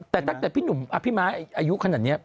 แต่ตั้งแต่พี่หนุ่มพี่ม้าอายุขนาดนี้